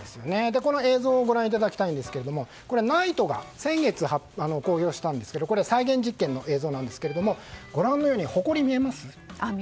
この映像をご覧いただきたいんですがこれはＮＩＴＥが先月、公表したんですが再現実験の映像なんですがほこり見えますか？